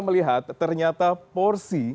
melihat ternyata porsi